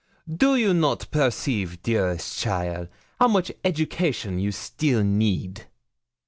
Do you not perceive, dearest cheaile, how much education you still need?